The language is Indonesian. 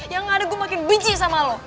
yang enggak ada gue makin benci sama lo